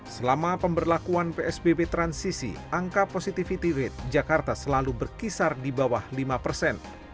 selama pemberlakuan psbb transisi angka positivity rate jakarta selalu berkisar di bawah lima persen